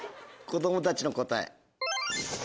子供たちの答え。